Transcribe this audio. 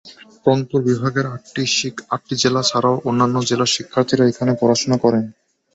রংপুর বিভাগের আটটি জেলা ছাড়াও অন্যান্য জেলার শিক্ষার্থীরা এখানে পড়াশোনা করেন।